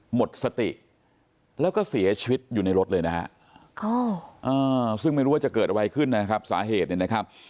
หมดสติแล้วก็เสียชีวิตอยู่ในรถเลยนะฮะซึ่งไม่รู้ว่าจะเกิดอะไรขึ้นนะครับสาเหตุเนี่ยนะครับ